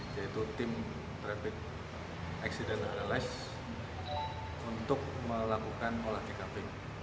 yaitu tim traffic accident analysis untuk melakukan pola tkv